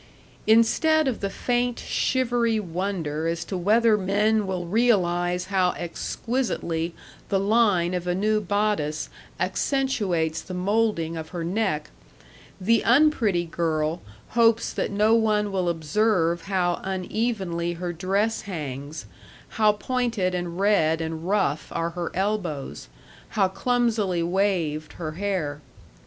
Instead of the faint, shivery wonder as to whether men will realize how exquisitely the line of a new bodice accentuates the molding of her neck, the unpretty girl hopes that no one will observe how unevenly her dress hangs, how pointed and red and rough are her elbows, how clumsily waved her hair.